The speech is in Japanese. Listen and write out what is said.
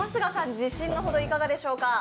自信の程はいかがでしょうか？